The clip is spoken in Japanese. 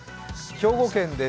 兵庫県です。